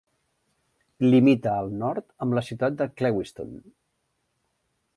Limita al nord amb la ciutat de Clewiston.